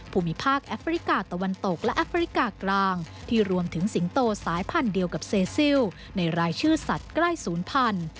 ภูมิภาคแอฟริกาตะวันตกและแอฟริกากลางที่รวมถึงสิงโตสายพันธุ์เดียวกับเซซิลในรายชื่อสัตว์ใกล้ศูนย์พันธุ์